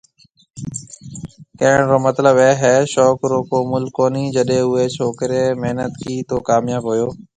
ڪهڻ رو مطلب اي هي شوق رو ڪو مُل ڪونهي جڏي اوئي ڇوڪري محنت ڪي تو ڪامياب هوئو